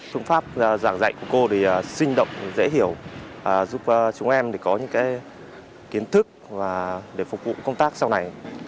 phương pháp giảng dạy của cô thì sinh động dễ hiểu giúp chúng em có những kiến thức để phục vụ công tác sau này